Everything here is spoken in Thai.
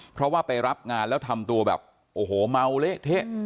เพราะว่าไปรับงานแล้วทำตัวแบบโอ้โหเมาเละเทะ